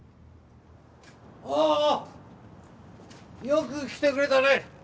よく来てくれたね。